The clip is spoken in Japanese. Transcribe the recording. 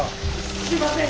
すいません！